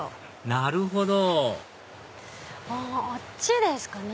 なるほどあっちですかね。